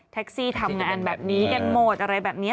แท็กซี่ทำงานแบบนี้เกิดโหมดอะไรแบบนี้